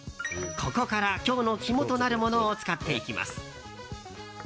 ここから今日の肝となるものを使っていきます。